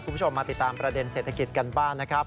คุณผู้ชมมาติดตามประเด็นเศรษฐกิจกันบ้างนะครับ